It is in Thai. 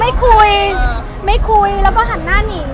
ไม่คุยไม่คุยแล้วก็หันหน้านิ่ง